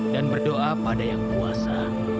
dan berdoa pada yang puasa